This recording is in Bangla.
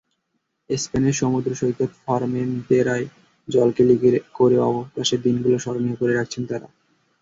স্পেনের সমুদ্রসৈকত ফরমেনতেরায় জলকেলি করে অবকাশের দিনগুলো স্মরণীয় করে রাখছেন তাঁরা।